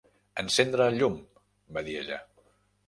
"Encendre el llum", va dir ella.